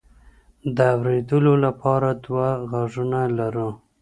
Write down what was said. د اوریدلو لپاره دوه غوږونه لرو.